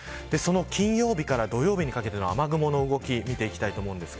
金曜日から土曜日にかけての雨雲の動きを見ていきたいと思います。